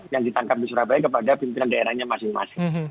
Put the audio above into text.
yang ditangkap di surabaya kepada pimpinan daerahnya masing masing